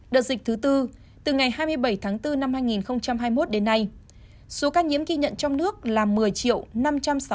đợt dịch thứ bốn từ ngày hai mươi bảy tháng bốn năm hai nghìn hai mươi một đến nay số ca nhiễm ghi nhận trong nước là một mươi năm trăm sáu mươi bốn hai mươi ba ca